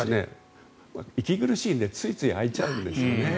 息苦しいのでついつい開いちゃうんですよね。